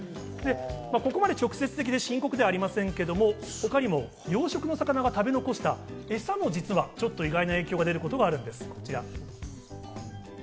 ここまで直接的で深刻ではありませんけど、他にも養殖の魚が食べ残したエサも実は意外な影響が出ることがあるんです、こちら。